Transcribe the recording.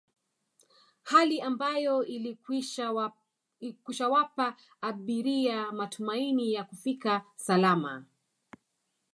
Hali ambayo ilikwishawapa abiria matumaini ya kufika salama